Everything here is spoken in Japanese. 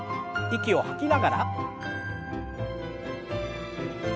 息を吐きながら。